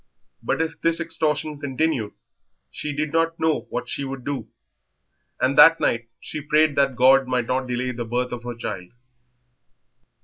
But if this extortion continued she did not know what she would do, and that night she prayed that God might not delay the birth of her child.